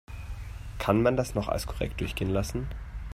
Kann man das noch als korrekt durchgehen lassen?